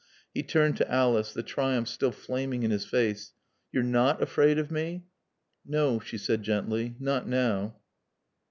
He turned to Alice, the triumph still flaming in his face. "Yo're nat afraaid of mae?" "No," she said gently. "Not now."